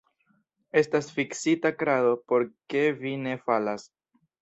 Estas fiksita krado, por ke vi ne falas!